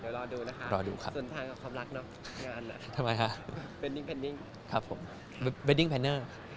อเจมส์เดี๋ยวรอดูนะครับส่วนทางกับความรักเนอะงานอ่ะ